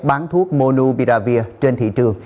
bán thuốc monubiravir trên thị trường